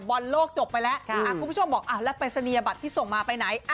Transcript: บอลโลกจบไปแล้วคุณผู้ชมบอกแล้วปริศนียบัตรที่ส่งมาไปไหน